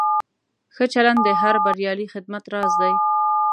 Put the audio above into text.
ښه چلند د هر بریالي خدمت راز دی.